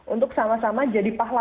untuk sama sama jadi pahlawan